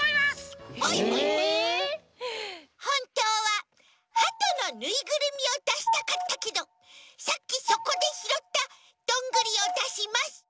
ほんとうはハトのぬいぐるみをだしたかったけどさっきそこでひろったどんぐりをだします！